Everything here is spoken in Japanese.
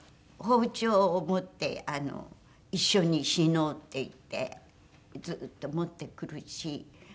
包丁を持って「一緒に死のう」って言ってずっと持ってくるし。